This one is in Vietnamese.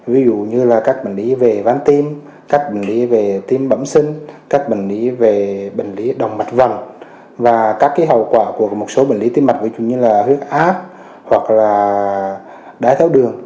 ví dụ như là các bệnh lý về ván tim các bệnh lý về tim bẩm sinh các bệnh lý về bệnh lý đồng mặt vằn và các cái hậu quả của một số bệnh lý tim mạch như là hước ác hoặc là đáy tháo đường